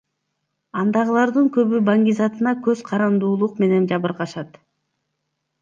Андагылардын көбү баңгизатына көз карандуулук менен жабыркашат.